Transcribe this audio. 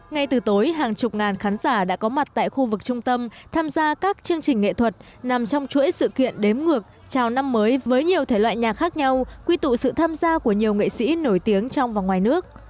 ngay từ tối hàng chục ngàn khán giả đã có mặt tại khu vực trung tâm tham gia các chương trình nghệ thuật nằm trong chuỗi sự kiện đếm ngược chào năm mới với nhiều thể loại nhạc khác nhau quy tụ sự tham gia của nhiều nghệ sĩ nổi tiếng trong và ngoài nước